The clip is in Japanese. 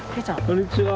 こんにちは。